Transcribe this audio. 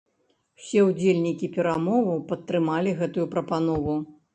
Усе ўдзельнікі перамоваў падтрымалі гэтую прапанову.